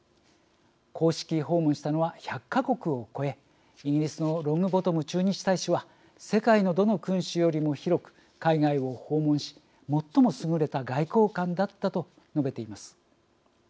公式訪問したのは１００か国を超えイギリスのロングボトム駐日大使は「世界のどの君主よりも広く海外を訪問し最も優れた外交官だった」と述べています。